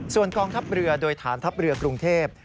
ส่วนกองทัพเรือโดยฐานทัพเรือกรุงเทพ